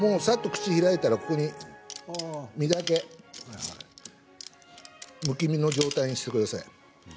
さっと口が開いたら身だけ残してむき身の状態にしてください。